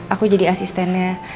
aku jadi asistennya